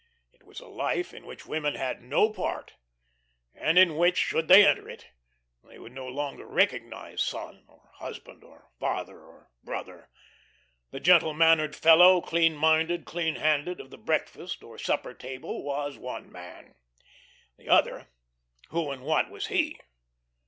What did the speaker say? It was a life in which women had no part, and in which, should they enter it, they would no longer recognise son or husband, or father or brother. The gentle mannered fellow, clean minded, clean handed, of the breakfast or supper table was one man. The other, who and what was he?